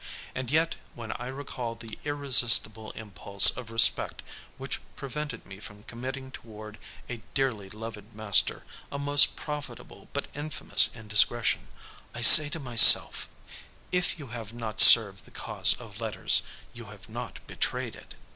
And yet when I recall the irresistible impulse of respect which prevented me from committing toward a dearly loved master a most profitable but infamous indiscretion, I say to myself, "If you have not served the cause of letters, you have not betrayed it."